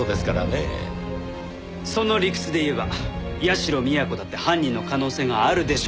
その理屈で言えば社美彌子だって犯人の可能性があるでしょ。